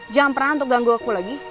jangan pernah untuk ganggu aku lagi